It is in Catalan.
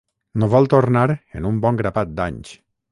No vol tornar en un bon grapat d'anys.